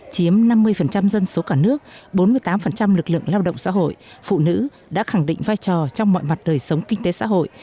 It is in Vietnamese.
chiếm năm mươi dân số cả nước bốn mươi tám lực lượng lao động xã hội phụ nữ đã khẳng định vai trò trong mọi mặt đời sống kinh tế xã hội